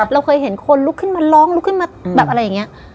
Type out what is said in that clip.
เราเคยเห็นคนลุกขึ้นมาร้องลุกขึ้นมาแบบอะไรอย่างนี้